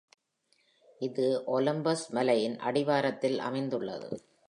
இது ஒலிம்பஸ் மலையின் அடிவாரத்தில் அமைந்துள்ளது.